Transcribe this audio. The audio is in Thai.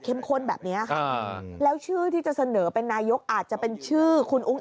ข้นแบบนี้ค่ะแล้วชื่อที่จะเสนอเป็นนายกอาจจะเป็นชื่อคุณอุ้ง